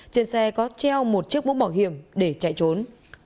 trên xe có treo một chiếc bũ bỏ hiểm để chạy trốn